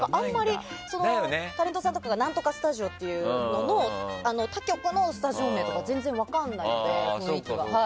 タレントさんとかが何とかスタジオとか言うのも他局のスタジオ名とか全然分からないので。